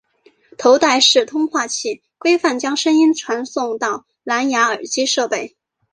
头戴式通话器规范将声音传送到蓝芽耳机设备。